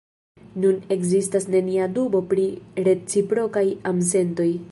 Nun ekzistas nenia dubo pri reciprokaj amsentoj.